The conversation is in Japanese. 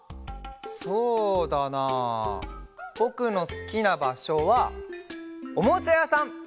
そうだなあぼくのすきなばしょはおもちゃやさん！